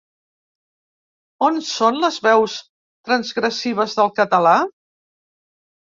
On són les veus transgressives del català?